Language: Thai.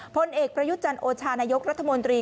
พลเอกประยุจันทร์โอชานายกรัฐมนตรี